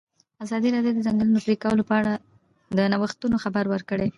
ازادي راډیو د د ځنګلونو پرېکول په اړه د نوښتونو خبر ورکړی.